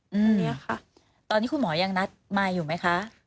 วันนี้ค่ะตอนนี้คุณหมอยังนัดมาอยู่ไหมคะ